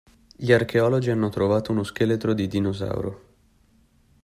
Gli archeologi hanno trovato uno scheletro di dinosauro.